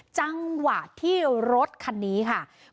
จังหวะที่รถคันนี้ค่ะ